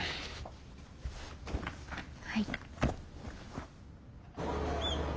はい。